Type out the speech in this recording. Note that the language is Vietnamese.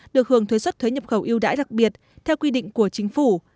được hưởng thuế xuất thuế nhập khẩu yêu đãi đặc biệt theo quy định của chính phủ